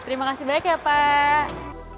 terima kasih banyak ya pak